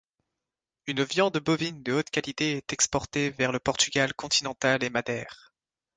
Une viande bovine de haute qualité est exportée vers le Portugal continental et Madère.